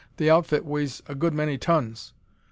"The outfit weighs a good many tons."